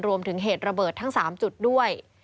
เหตุระเบิดทั้ง๓จุดด้วย